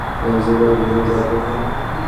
ایا زه باید د زړه ګراف وکړم؟